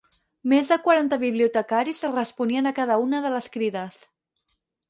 Més de quaranta bibliotecaris responien a cada una de les crides.